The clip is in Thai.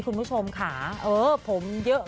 คุณผู้ชมค่ะเออผมเยอะ